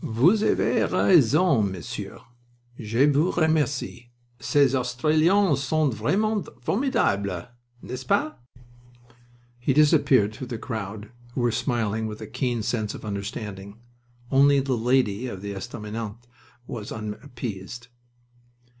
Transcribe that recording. "Vous avez raison, monsieur. Je vous remercie. Ces Australiens sont vraiment formidables, n'est ce pas?" He disappeared through the crowd, who were smiling with a keen sense of understanding. Only the lady of the estaminet was unappeased.